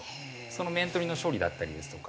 その面取りの処理だったりですとか。